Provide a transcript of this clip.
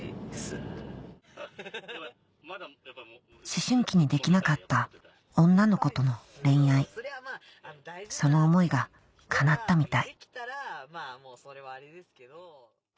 思春期にできなかった女の子との恋愛その思いが叶ったみたい数日